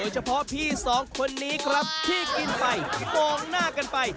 เฉพาะพี่สองคนนี้ครับที่กินไปมองหน้ากันไป